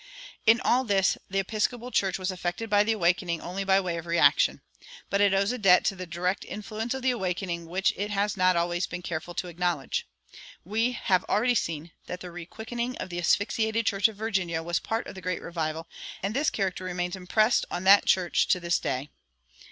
In all this the Episcopal Church was affected by the Awakening only by way of reaction. But it owes a debt to the direct influence of the Awakening which it has not always been careful to acknowledge. We have already seen that the requickening of the asphyxiated church of Virginia was part of the great revival, and this character remains impressed on that church to this day.